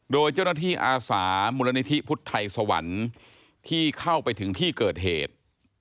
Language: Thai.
โดยเจ้าหน้าที่อาสามูลนิธิพุทธไทยสวรรค์ที่เข้าไปถึงที่เกิดเหตุ